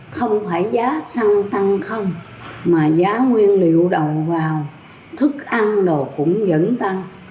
không phải giá xăng tăng không mà giá nguyên liệu đầu vào thức ăn đồ cũng vẫn tăng